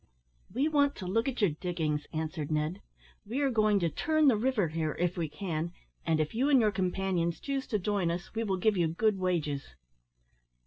"We want to look at your diggings," answered Ned. "We are going to turn the river here, if we can; and if you and your companions choose to join us, we will give you good wages."